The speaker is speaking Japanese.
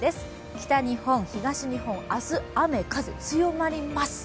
北日本、東日本、明日、雨・風強まります。